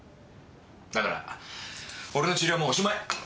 だから俺の治療もうおしまい。